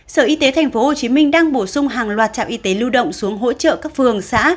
sở y tế tp hcm đang bổ sung hàng loạt trạm y tế lưu động xuống hỗ trợ các phường xã